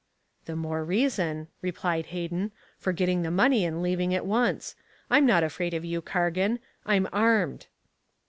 "The more reason," replied Hayden, "for getting the money and leaving at once. I'm not afraid of you, Cargan. I'm armed."